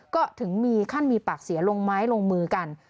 ก็ถึงมีขั้นมีปากเสียงลงไม้ลงมือกัน